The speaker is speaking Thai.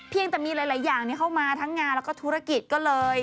ยังแต่มีหลายอย่างเข้ามาทั้งงานแล้วก็ธุรกิจก็เลย